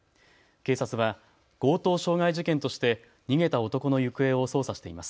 警察は強盗傷害事件として逃げた男の行方を捜査しています。